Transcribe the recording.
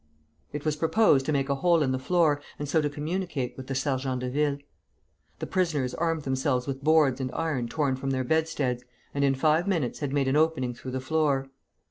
It was proposed to make a hole in the floor, and so to communicate with the sergents de ville. The prisoners armed themselves with boards and iron torn from their bedsteads, and in five minutes had made an opening through the floor.